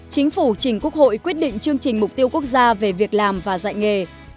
chính phủ trình quốc hội quyết định chương trình mục tiêu quốc gia về việc làm và dạy nghề